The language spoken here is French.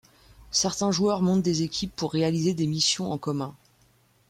Certains joueurs montent des équipes pour réaliser des missions en commun.